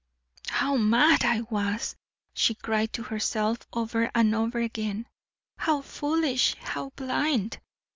"How mad I was!" she cried to herself over and over again; "how foolish, how blind!